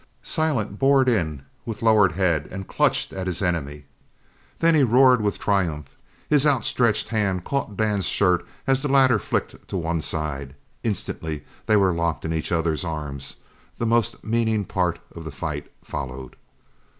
Silent bored in with lowered head and clutched at his enemy. Then he roared with triumph. His outstretched hand caught Dan's shirt as the latter flicked to one side. Instantly they were locked in each other's arms! The most meaning part of the fight followed.